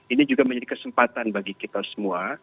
ini juga menjadi kesempatan bagi kita semua